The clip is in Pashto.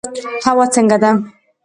هوا څنګه ده؟